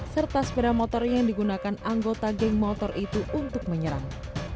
serta sepeda motor yang digunakan anggota geng motor itu untuk menyerang